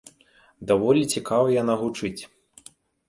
Даволі цікава яна гучыць.